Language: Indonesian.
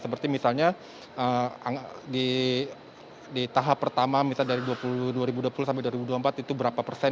seperti misalnya di tahap pertama misalnya dari dua ribu dua puluh sampai dua ribu dua puluh empat itu berapa persen